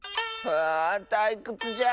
はあたいくつじゃ。